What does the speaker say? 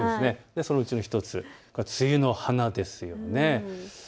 そのうちの１つ、梅雨の花ですよね。